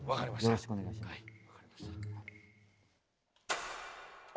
よろしくお願いします。